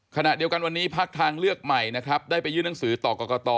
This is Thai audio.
ขณะเดียวกันวันนี้ภาคทางเลือกใหม่นะครับได้ไปยื่นหนังสือต่อกรกต